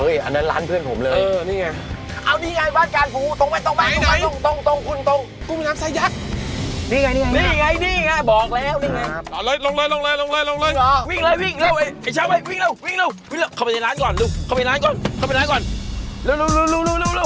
เออด้านพู